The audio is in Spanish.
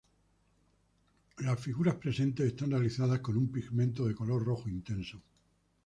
Las figuras presentes están realizadas con un pigmento de color rojo intenso.